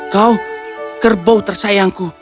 kau kerbau tersayangku